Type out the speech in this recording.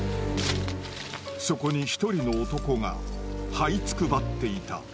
そこに一人の男がはいつくばっていた。